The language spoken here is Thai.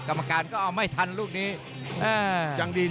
กรรมการก็เอาไม่ทันลูกนี้